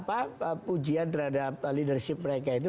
apa pujian terhadap leadership mereka itu